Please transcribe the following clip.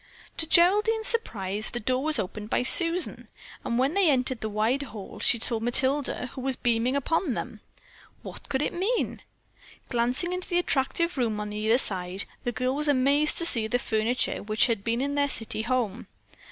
To Geraldine's surprise, the door was opened by Susan, and when they entered the wide hall she saw Matilda, who was beaming upon them. What could it mean? Glancing into the attractive room on either side, the girl was amazed to see the furniture which had been in their city home.